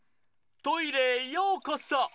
トイレへようこそ！